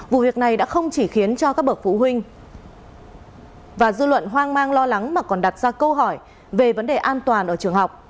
vụ việc này đã không chỉ khiến cho các bậc phụ huynh và dư luận hoang mang lo lắng mà còn đặt ra câu hỏi về vấn đề an toàn ở trường học